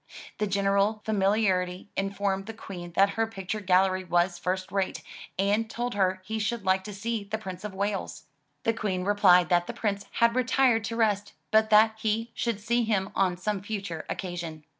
The General familiarly in formed the Queen that her picture gallery was "first rate,*' and told her he should like to see the Prince of Wales. The Queen replied that the Prince had retired to rest, but that he should see him on some future occasion.